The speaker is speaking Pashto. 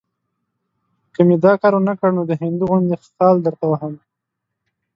که مې دا کار ونه کړ، نو د هندو غوندې خال درته وهم.